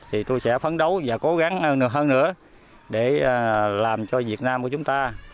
thì tôi sẽ phấn đấu và cố gắng hơn nữa để làm cho việt nam của chúng ta